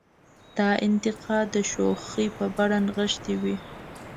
دا انتقاد د شوخۍ په بڼه نغښتې وي.